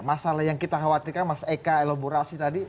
masalah yang kita khawatirkan mas eka elaborasi tadi